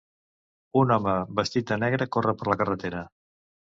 Un home vestit de negre corre per la carretera.